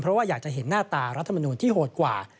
เพราะว่าอยากจะเห็นหน้าตารัฐมนูลที่โหดกว่า